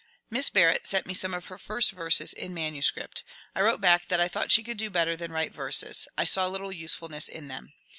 Miss Barrett sent me some of her first verses in manuscript. I wrote back that I thought she could do better than write verses : I saw little usefulness in them.